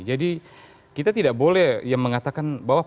jadi kita tidak boleh yang mengatakan bahwa